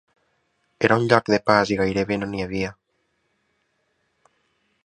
Era un lloc de pas i gairebé no n’hi havia.